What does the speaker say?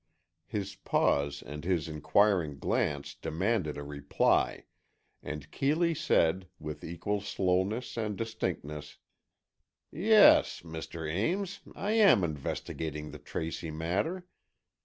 His pause and his inquiring glance demanded a reply, and Keeley said, with equal slowness and distinctness: "Yes, Mr. Ames, I am investigating the Tracy matter.